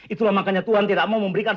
itulah makanya tuhan tidak mau memberikan